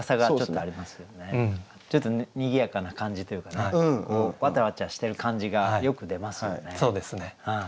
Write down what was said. ちょっとにぎやかな感じというかねわちゃわちゃしてる感じがよく出ますよね。